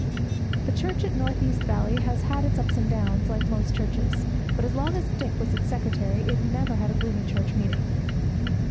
The church at North East Valley has had its ups and downs, like most churches, but as long as Dick was its secretary it never had a gloomy church meeting.